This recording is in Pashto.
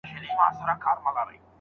لاس ته چې مې گورم د خدای نور پکې رڼا کوي